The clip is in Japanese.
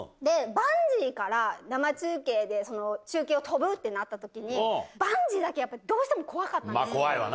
バンジーから生中継で、中継を飛ぶってなったときに、バンジーだけはやっぱり、どうし怖いわな。